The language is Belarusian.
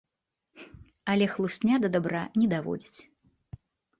Але хлусня да дабра не даводзіць.